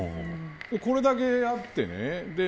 これだけあってね